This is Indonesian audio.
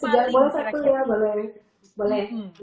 boleh satu ya boleh